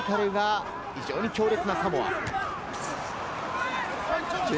フィジカルが非常に強力なサモア。